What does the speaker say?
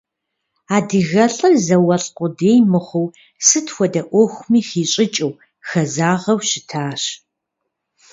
АдыгэлӀыр зауэлӏ къудей мыхъуу, сыт хуэдэ Ӏуэхуми хищӀыкӀыу, хэзагъэу щытащ.